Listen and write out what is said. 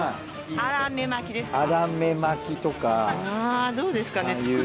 あぁどうですかね。